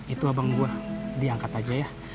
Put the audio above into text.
itu abang gue diangkat aja ya